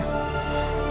saya dan anak anaknya